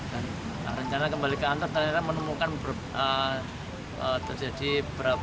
dan rencana kembali ke kantor ternyata menemukan terjadi berat